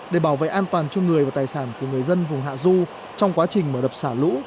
để bảo vệ an toàn cho người và tài sản của người dân vùng hạ du trong quá trình mở đập xả lũ